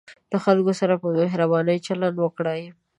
له خلکو سره په مهربانۍ چلند وکړئ.